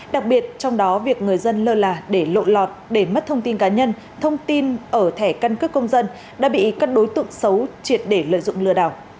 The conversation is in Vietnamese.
đặc biệt trong đó việc người dân lơ là để lộ lọt để mất thông tin cá nhân thông tin ở thẻ căn cước công dân đã bị các đối tượng xấu triệt để lợi dụng lừa đảo